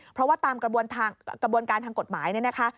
เพราะว่าตามกระบวนการทางกฎหมายเนี่ยนะคะ